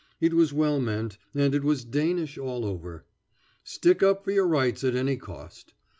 It was well meant, and it was Danish all over. Stick up for your rights at any cost.